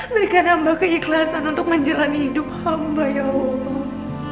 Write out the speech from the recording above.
berikan amba keikhlasan untuk menjalani hidup amba ya allah